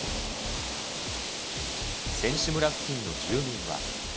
選手村付近の住民は。